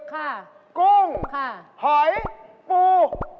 กุ้งหอยปูใช่ใช่